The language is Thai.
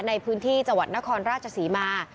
ในพื้นที่จังหวัดนครราชศรีมา